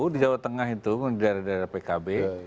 di jawa tengah itu di daerah daerah pkb